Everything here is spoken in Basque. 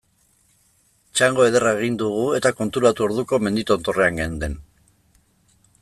Txango ederra egin dugu eta konturatu orduko mendi tontorrean geunden.